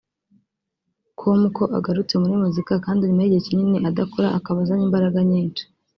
com ko agarutse muri muzika kandi nyuma y’igihe kinini adakora akaba azanye imbaraga nyinshi